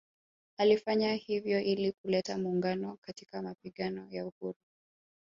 Alifanya hivyo ili kuleta muungano katika mapigano ya uhuru